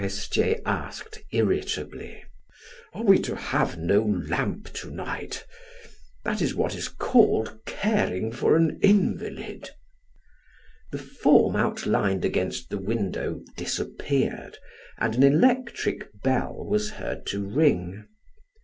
Forestier asked irritably: "Are we to have no lamp to night? That is what is called caring for an invalid!" The form outlined against the window disappeared and an electric bell was heard to ring.